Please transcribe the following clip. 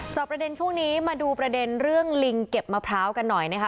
จอบประเด็นช่วงนี้มาดูประเด็นเรื่องลิงเก็บมะพร้าวกันหน่อยนะคะ